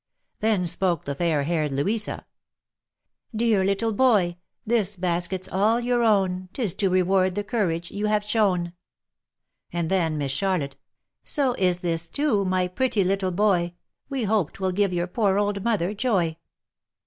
Then spoke the fair haired Louisa. " Dear little boy, this basket's all your own, 'Tis to reward the courage you have shown." And then Miss Charlotte. " So is this too, my pretty little boy, We hope 'twill give your poor old mother joy."